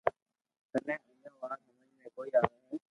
ٿني اجھو وات ھمج ۾ ڪوئي آوي ھي